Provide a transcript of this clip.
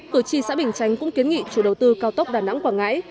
cử tri xã bình chánh cũng kiến nghị chủ đầu tư cao tốc đà nẵng quảng ngãi